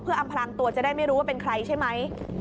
อำพลังตัวจะได้ไม่รู้ว่าเป็นใครใช่ไหม